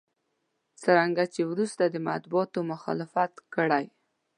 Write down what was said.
څرنګه چې وروسته مطبوعاتو مخالفت کړی.